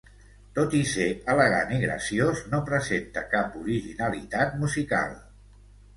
Tot i ser elegant i graciós, no presenta cap originalitat musical.